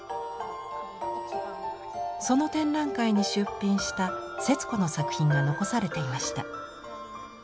その展覧会に出品した節子の作品が残されていました。